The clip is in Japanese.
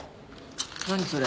何それ？